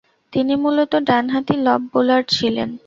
তিনি মূলতঃ ডানহাতি লব বোলার ছিলেন।